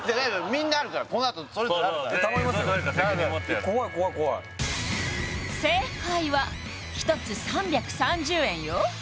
みんなあるからこのあとそれぞれあるから大丈夫頼みますよ怖い怖い怖い正解は１つ３３０円よ